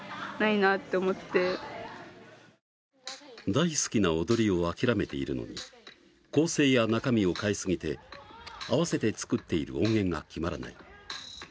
大好きな踊りを諦めているのに構成や中身を変えすぎて合わせて作っている音源が決まらない。